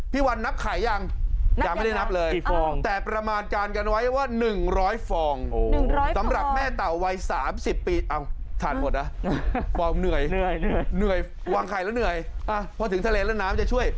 พี่วันนับไข่กันหรือยังไม่ได้นับเลย